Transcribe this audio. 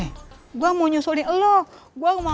namanya sudah wes udah mene